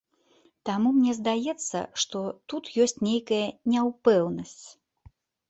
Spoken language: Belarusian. Таму мне здаецца, што тут ёсць нейкая няпэўнасць.